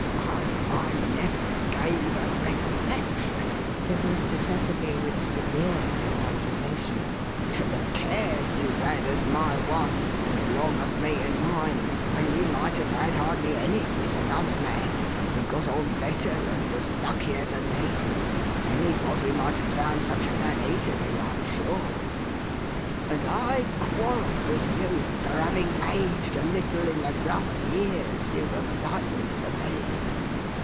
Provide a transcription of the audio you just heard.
I — I never gave a recollection," said Mr. Tetterby, with severe self accusation, "to the cares you've had as my wife, and along of me and mine, when you might have had hardlv anv with another man, who got on better and was luckier than me (anybody might have found such a man easily, I am sure); and I quarrelled with you for having aged a little in the rough years you1 have lightened for me.